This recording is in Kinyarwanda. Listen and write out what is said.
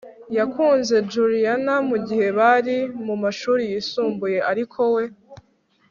yakunze juliana mugihe bari mumashuri yisumbuye, ariko we